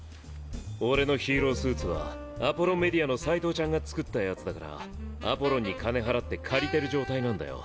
俺のヒーロースーツはアポロンメディアの斎藤ちゃんが作ったヤツだからアポロンに金払って借りてる状態なんだよ。